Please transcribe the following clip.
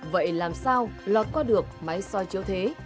vậy làm sao lọt qua được máy soi chiếu thế